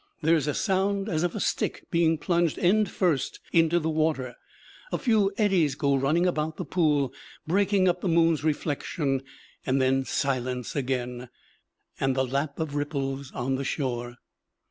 There is a sound as of a stick being plunged end first into the water; a few eddies go running about the pool, breaking up the moon's reflection; then silence again, and the lap of ripples on the shore.